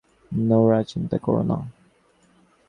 Nora, চিন্তা করো না।